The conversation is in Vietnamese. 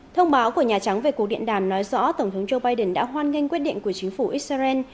thông báo của nhà trắng về cuộc điện đàm nói rõ tổng thống joe biden đã hoan nghênh quyết định của chính phủ israel